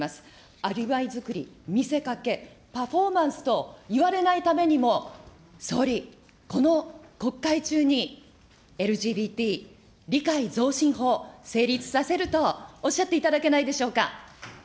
アリバイ作り、見せかけ、パフォーマンスと言われないためにも、総理、この国会中にＬＧＢＴ理解増進法、成立させるとおっしゃっていただけないでしょうか。